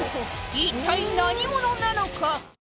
一体何者なのか？